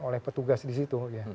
oleh petugas di situ